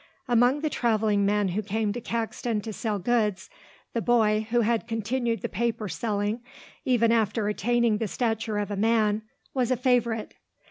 Among the travelling men who came to Caxton to sell goods, the boy, who had continued the paper selling even after attaining the stature of a man, was a favourite.